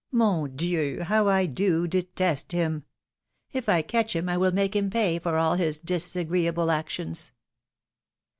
3Ion Dieu ! how I do detest him ! If I catch him I will make him pay for all his disagreeable actions."